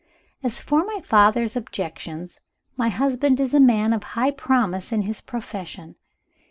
As for my father's objections, my husband is a man of high promise in his profession.